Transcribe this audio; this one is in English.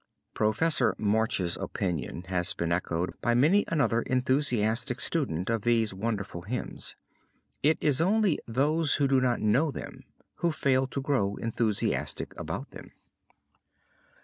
Prof. March's opinion has been echoed by many another enthusiastic student of these wonderful hymns. It is only those who do not know them who fail to grow enthusiastic about them.